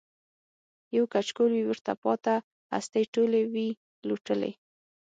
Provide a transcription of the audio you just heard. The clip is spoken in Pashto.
یو کچکول وي ورته پاته هستۍ ټولي وي لوټلي